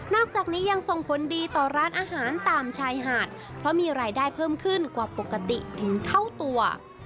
อกจากนี้ยังส่งผลดีต่อร้านอาหารตามชายหาดเพราะมีรายได้เพิ่มขึ้นกว่าปกติถึงเท่าตัว